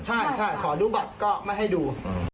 ใช่ขอดูบัตรก็ไม่ให้ดู